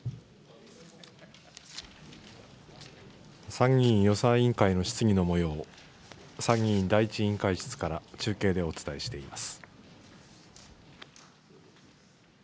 参議院予算委員会の質疑のもよう、参議院第１委員会室から中継でお伝えしています。